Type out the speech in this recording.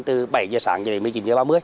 từ bảy giờ sáng cho đến một mươi chín giờ ba mươi